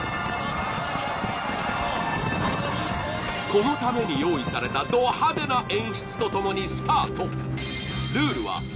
このために用意されたド派手な演出と共にスタート